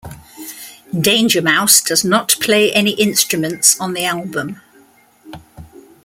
Danger Mouse does not play any instruments on the album.